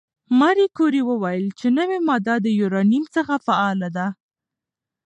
ماري کوري وویل چې نوې ماده د یورانیم څخه فعاله ده.